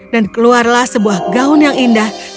dan keluarlah sebuah gaun yang indah